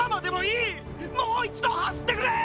もう一度走ってくれ！